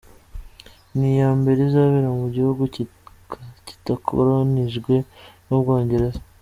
Ni iya mbere izabera mu gihugu kitakolonijwe n’u Bwongereza.